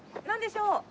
何でしょう？